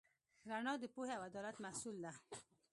رڼا د پوهې او عدالت محصول ده.